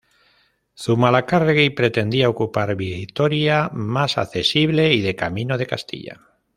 Zumalacárregui pretendía ocupar Vitoria, más accesible y de camino de Castilla.